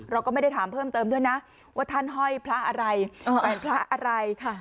เราก็ไม่ได้ถามเพิ่มเติมด้วยนะว่าท่านห้อยพระอะไรแหวนพระอะไร